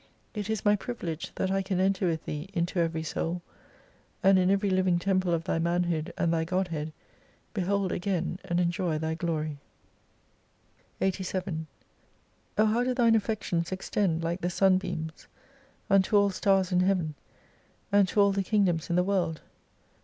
It is my privilege that I can enter with Thee into every soul, and in every living temple of Thy manhood and Thy Godhead, behold again, and enjoy Thy sjlory, ' 87 O how do Thine affections extend like the sunbeams unto all stars in heaven and to aU the kingdoms in the world.